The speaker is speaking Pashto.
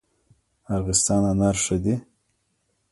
ارغستان انار ښه دي؟